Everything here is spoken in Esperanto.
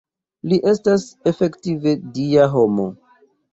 Li estas efektive Dia homo.